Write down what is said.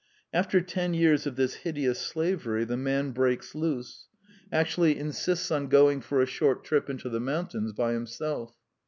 After ten years of this hide ous slavery the man breaks loose ; actually insists The Last Four Plays 151 on going for a short trip into the mountains by himself.